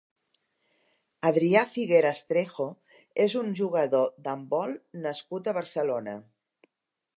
Adrià Figueras Trejo és un jugador d'handbol nascut a Barcelona.